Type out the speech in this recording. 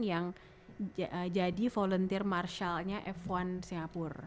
yang jadi volunteer marshallnya f satu singapur